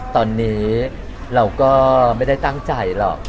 ตอนนี้เราก็ไม่ได้ตั้งใจหรอก